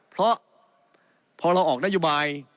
เพราะพอเราออกนโยบาย